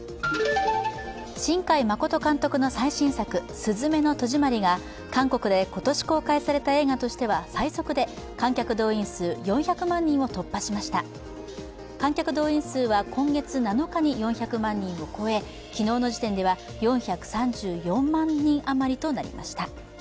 新海誠監督の最新作「すずめの戸締まり」が韓国で今年公開された映画としては最速で観客動員数４００万人を突破しました観客動員数は今月７日に４００万人を超え、昨日の時点では４３４万人余りとなりました。